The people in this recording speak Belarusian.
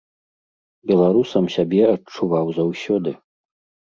Беларусам сябе адчуваў заўсёды.